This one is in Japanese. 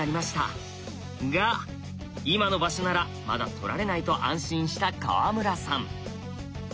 が今の場所ならまだ取られないと安心した川村さん。